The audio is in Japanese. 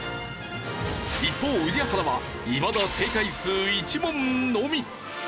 一方宇治原はいまだ正解数１問のみ。